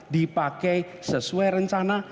dipakai sesuai rencana